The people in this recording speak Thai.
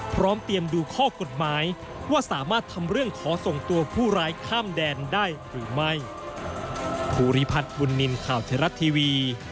พร้อมเตรียมดูข้อกฎหมายว่าสามารถทำเรื่องขอส่งตัวผู้ร้ายข้ามแดนได้หรือไม่